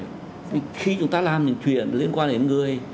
thì khi chúng ta làm những chuyện liên quan đến người